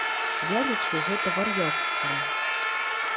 Я лічу гэта вар'яцтвам.